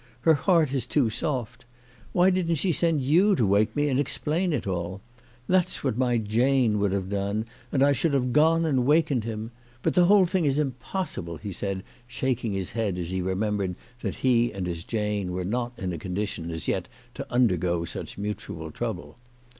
Her heart is too soft. Why didn't she send you to wake me, and explain it all? That's what my Jane would have done ; and I should have gone and wakened him. But the whole thing is impossible," he said, shaking his head as he remem bered that he and his Jane were not in a condition as yet to undergo any such mutual trouble.